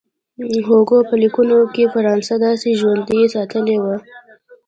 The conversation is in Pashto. هوګو په لیکونو کې فرانسه داسې ژوندۍ ساتلې وه.